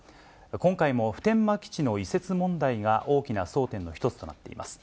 今回も普天間基地の移設問題が大きな争点の一つとなっています。